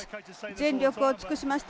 全力を尽くしました。